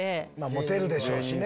モテるでしょうしね。